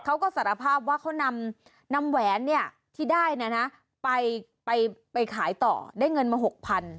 เขาก็สารภาพว่าเขานำแหวนเนี่ยที่ได้นะไปขายต่อได้เงินมา๖๐๐